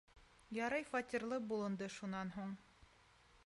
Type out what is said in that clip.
Ярай, фатирлы булынды шунан һуң.